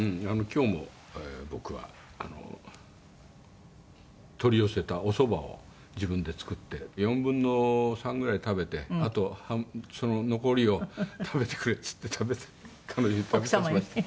今日も僕は取り寄せたおそばを自分で作って４分の３ぐらい食べてあとその残りを「食べてくれ」って言って彼女に食べさせました。